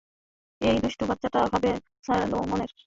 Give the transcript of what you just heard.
এই দুষ্টু বাচ্চাটা হবে সলোমনের।